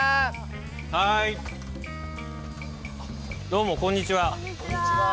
はいどうもこんにちは。